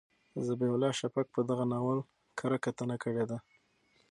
ذبیح الله شفق په دغه ناول کره کتنه کړې ده.